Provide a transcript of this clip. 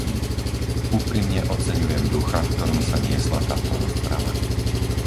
Úprimne oceňujem ducha, v ktorom sa niesla táto rozprava.